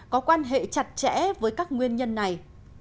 có quan hệ chặt chẽ với các nguyên nhân này